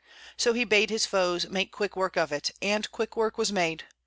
So he bade his foes make quick work of it; and quick work was made.